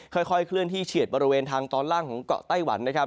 ค่อยเคลื่อนที่เฉียดบริเวณทางตอนล่างของเกาะไต้หวันนะครับ